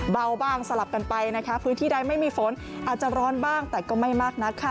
เบาบ้างสลับกันไปนะคะพื้นที่ใดไม่มีฝนอาจจะร้อนบ้างแต่ก็ไม่มากนักค่ะ